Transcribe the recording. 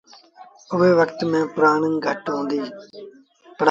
اُئي وکت ميݩ پڙهآئيٚ گھٽ هُݩديٚ۔